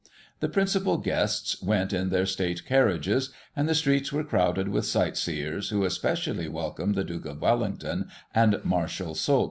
The principal guests went in their state carriages, and the streets were crowded with sightseers who especially welcomed the Duke of Wellington and Marshal Soult.